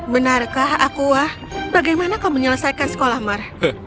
benarkah aqua bagaimana kau menyelesaikan sekolah mar